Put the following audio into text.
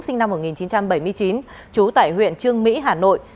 sinh năm một nghìn chín trăm bảy mươi chín trú tại huyện trương mỹ hà nội